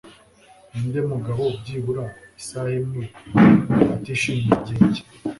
Ninde mugabo byibura isaha imwe atishimiye igihe cye